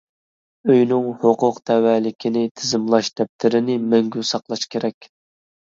ئۆينىڭ ھوقۇق تەۋەلىكىنى تىزىملاش دەپتىرىنى مەڭگۈ ساقلاش كېرەك.